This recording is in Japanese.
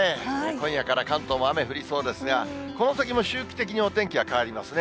今夜から関東も雨降りそうですが、この先も周期的にお天気は変わりますね。